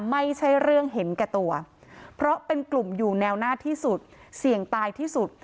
ไม่ใช่เรื่องเห็นแก่ตัวเพราะเป็นกลุ่มอยู่แนวหน้าที่สุดเสี่ยงตายที่สุด